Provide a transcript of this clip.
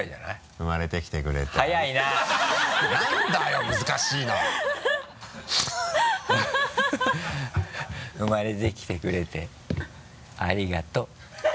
生まれてきてくれてありがとう。